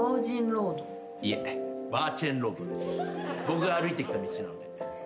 僕が歩いてきた道なので。